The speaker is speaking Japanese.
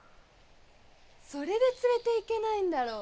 それで連れていけないんだろ。